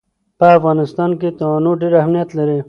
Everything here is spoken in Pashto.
په افغانستان کې تنوع ډېر اهمیت لري.